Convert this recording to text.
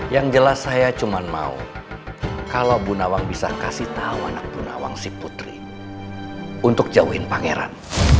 yang jelas saya cuma mau kalau bu nawang bisa kasih tahu anak bu nawang si putri untuk jauhin pangeran